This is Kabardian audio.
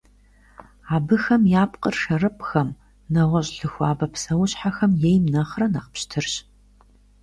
Абыхэм я пкъыр шэрыпӀхэм, нэгъуэщӀ лъы хуабэ псэущхьэхэм ейм нэхърэ нэхъ пщтырщ.